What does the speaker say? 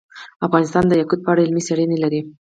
افغانستان د یاقوت په اړه علمي څېړنې لري.